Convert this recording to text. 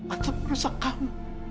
atau merusak kamu